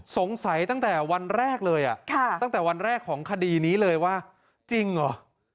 ตั้งแต่วันแรกเลยตั้งแต่วันแรกของคดีนี้เลยว่าจริงเหรอ